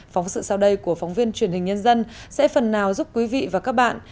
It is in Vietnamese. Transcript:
phóng sự sau đây của phóng viên truyền hình nhân dân sẽ phần nào giúp quý vị và các bạn